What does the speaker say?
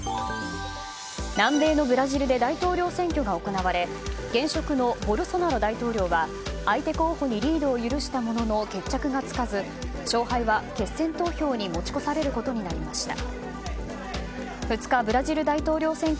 南米ブラジルの大統領選挙が行われ現職のボルソナロ大統領は相手候補にリードを許したもの決着がつかず勝敗は決選投票に持ち越されることになりました。